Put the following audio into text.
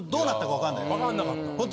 分かんなかった。